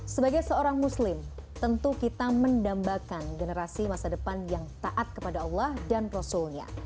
sebagai seorang muslim tentu kita mendambakan generasi masa depan yang taat kepada allah dan rasulnya